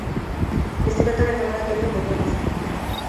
Bizikletan eta maratoian buruan izan nuen.